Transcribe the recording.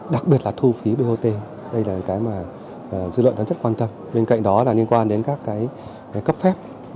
đặc biệt là thu phí bot đây là những cái mà dự luận rất quan tâm bên cạnh đó là liên quan đến các cấp phép